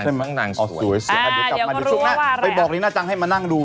ใช่ไหมนางสวยอ่ะเดี๋ยวก็รู้ว่าว่าอะไรอ่ะไปบอกลีน่าจังให้มานั่งดู